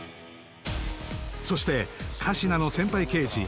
そして神志名の先輩刑事